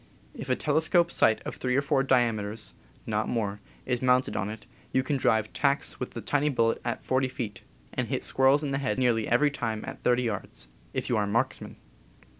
If a telescope sight of three or four diame ters (not more) is mounted on it, you can drive tacks with the tiny bullet at 40 feet, and hit squirrels in the head nearly every time at 30 yards — if you are a marks man.